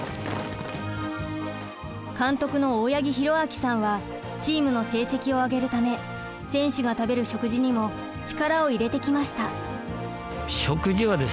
監督の大八木弘明さんはチームの成績を上げるため選手が食べる食事にも力を入れてきました。